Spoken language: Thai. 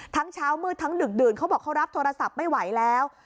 เช้ามืดทั้งดึกดื่นเขาบอกเขารับโทรศัพท์ไม่ไหวแล้ว